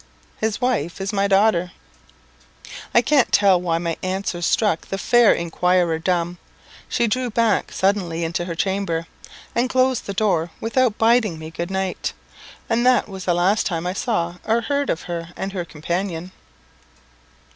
"His wife is my daughter." I can't tell why my answer struck the fair inquirer dumb; she drew back suddenly into her chamber, and closed the door without bidding me good night, and that was the last time I saw or heard of her and her companion.